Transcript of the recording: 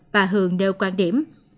bà hường đều quan điểm